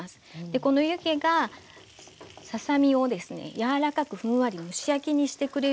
この湯気がささ身をですねやわらかくふんわり蒸し焼きにしてくれるので。